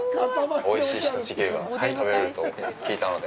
おいしい常陸牛が食べれると聞いたので。